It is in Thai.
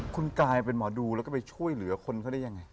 คุณกลายเป็นหมอดูแล้วก็ไปช่วยเหลือคนเขาได้ยังไง